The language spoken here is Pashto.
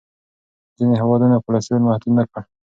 ځینو هېوادونو کلسترول محدود نه کړ.